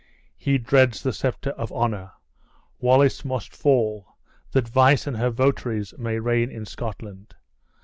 He dreads the scepter of honor: Wallace must fall, that vice and her votaries may reign in Scotland.